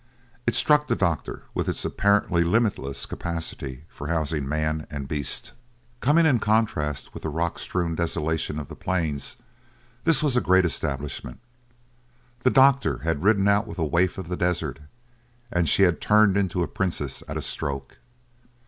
It struck the doctor with its apparently limitless capacity for housing man and beast. Coming in contrast with the rock strewn desolation of the plains, this was a great establishment; the doctor had ridden out with a waif of the desert and she had turned into a princess at a stroke.